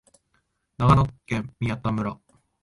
長野県宮田村